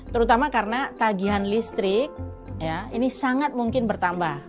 terutama karena tagihan listrik ini sangat mungkin bertambah